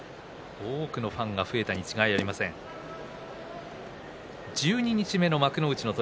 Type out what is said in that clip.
この場所では多くのファンが増えたに違いありません。